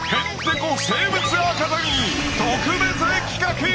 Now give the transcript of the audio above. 特別企画！